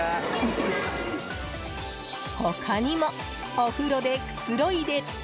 他にも、お風呂でくつろいで。